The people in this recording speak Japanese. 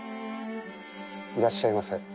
いらっしゃいませ。